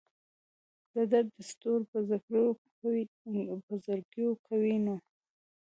د درد دستور به زګیروی کوي نو.